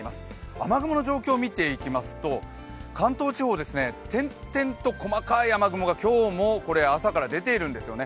雨雲の状況見ていきますと関東地方、点々と細かい雨雲が今日も朝から出ているんですよね。